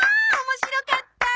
面白かった。